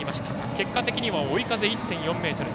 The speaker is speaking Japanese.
結果的には追い風１．４メートル。